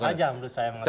sah sah saja menurut saya